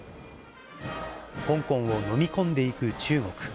香港を飲み込んでいく中国。